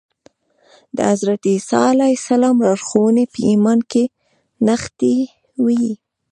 د حضرت عیسی علیه السلام لارښوونې په ایمان کې نغښتې وې